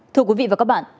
thưa quý vị và các bạn